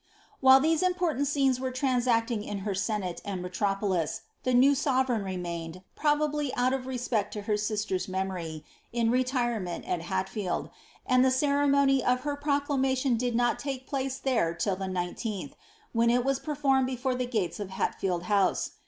While these important scenes were transacting in her senate and metropolis, the new sovereign remained, probably out of respect to her sister's memor)', in reiirement at Hatfield, and the ceremony of her pro clamation did not take place there till the 19th, when it was performed before the gates of Hatfield House.